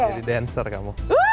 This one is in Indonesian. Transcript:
jadi dancer kamu